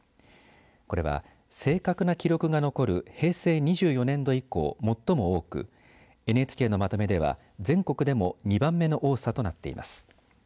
これは、正確な記録が残る平成２４年度以降最も多くＮＨＫのまとめでは、全国でも２番目の多さとなっています。